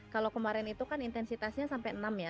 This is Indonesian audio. kalau kemarin itu kan intensitasnya sampai enam ya